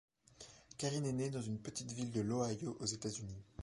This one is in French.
Karyn est née dans une petite ville de l'Ohio aux États-Unis.